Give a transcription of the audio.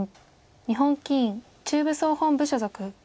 日本棋院中部総本部所属。